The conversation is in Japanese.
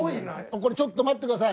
これちょっと待ってください。